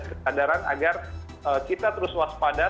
keadaran agar kita terus waspadat